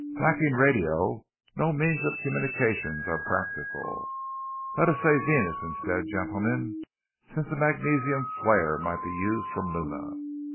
Lacking radio, no means of communication are practical. Let us say Venus instead, gentlemen, since a magnesium flare might be used from Luna.